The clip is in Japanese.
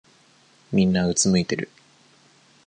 みんなうつむいてる。